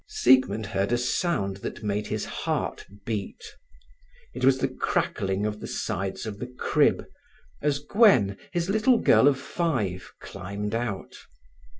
Siegmund heard a sound that made his heart beat. It was the crackling of the sides of the crib, as Gwen, his little girl of five, climbed out.